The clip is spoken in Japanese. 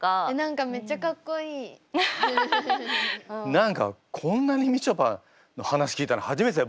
何かこんなにみちょぱの話聞いたの初めてだよ